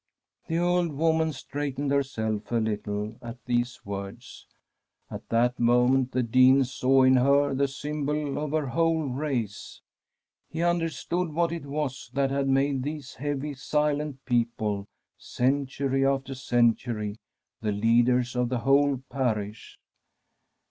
The old woman straightened herself a little at these words. At that moment the Dean saw in her the symbol of her whole race. He understood what it was that had made these heavy, silent peo ple, century after century, the leaders of the whole parish.